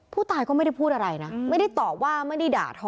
ผู้ตายก็ไม่ได้พูดอะไรนะไม่ได้ตอบว่าไม่ได้ด่าทอ